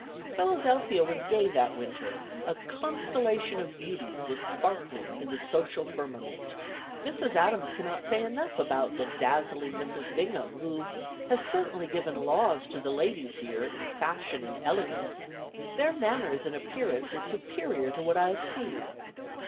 Philadelphia was gay that winter: a "constellation of beauties" was sparkling in the social firmament. Mrs. Adams cannot say enough about "the dazzling Mrs. Bingham," who "has certainly given laws to the ladies here, in fashion and elegance: their manners and appearance are superior to what I have seen."